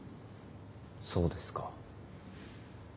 そうですか。